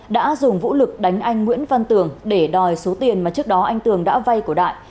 đã dùng vũ lực đánh anh nguyễn văn tường để đòi số tiền mà trước đó anh tường đã vay của đại